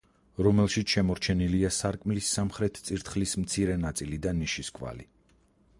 რომელშიც შემორჩენილია სარკმლის სამხრეთ წირთხლის მცირე ნაწილი და ნიშის კვალი.